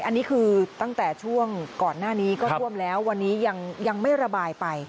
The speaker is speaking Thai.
อันนี้คือตั้งแต่ช่วงก่อนหน้านี้ก็ท่วมแล้ววันนี้ยังไม่ระบายไป